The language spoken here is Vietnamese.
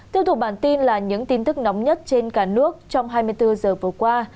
tiếp tục bản tin là những tin tức nóng nhất trên cả nước trong hai mươi bốn giờ vừa qua